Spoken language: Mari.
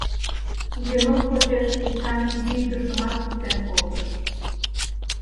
Генок почеш Эчан изи ӱдыржымат пуртен колтыш.